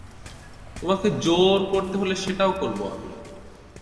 তোমাকে জোর করতে হলে সেটাও করবো আমি!